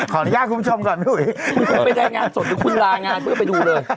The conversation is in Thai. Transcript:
ขออนุญาตคุณผู้ชมก่อนด้วยไปได้งานสดหรือคุณลางานเพื่อไปดูเลย